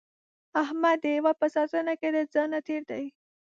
احمد د هیواد په ساتنه کې له ځانه تېر دی.